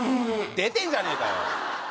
出てんじゃねえかよ